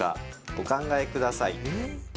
お考えください。